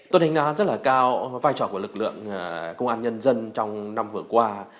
tôn hình đã rất là cao vai trò của lực lượng công an nhân dân trong năm vừa qua